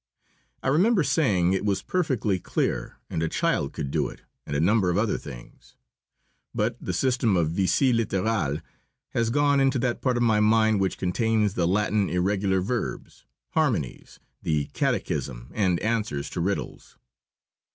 I remember saying it was perfectly clear, and a child could do it, and a number of other things. But the system of visée laterale has gone into that part of my mind which contains the Latin irregular verbs, harmonies, the catechism and answers to riddles.